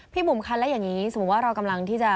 บุ๋มคะแล้วอย่างนี้สมมุติว่าเรากำลังที่จะ